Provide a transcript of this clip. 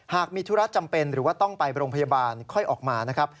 หากมีธุระจำเป็นหรือว่าต้องไปโรงพยาบาลค่อยออกมานะครับ